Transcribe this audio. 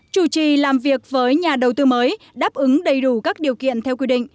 chủ trì làm việc với nhà đầu tư mới đáp ứng đầy đủ các điều kiện theo quy định